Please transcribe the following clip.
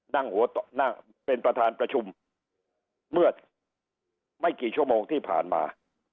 นั่งหัวนั่งเป็นประธานประชุมเมื่อไม่กี่ชั่วโมงที่ผ่านมา